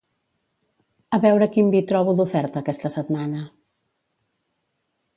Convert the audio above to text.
A veure quin vi trobo d'oferta aquesta setmana